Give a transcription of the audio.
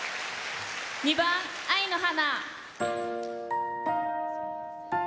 ２番「愛の花」。